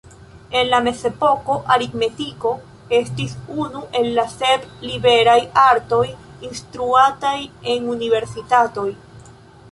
En la Mezepoko, aritmetiko estis unu el la sep liberaj artoj instruataj en universitatoj.